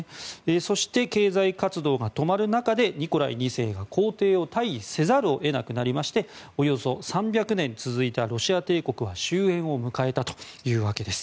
そして経済活動が止まる中でニコライ２世が皇帝を退位せざるを得なくなりましておよそ３００年続いたロシア帝国は終えんを迎えたというわけです。